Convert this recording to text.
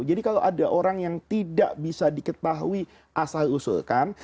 jadi kalau ada orang yang tidak bisa diketahui asal usulkan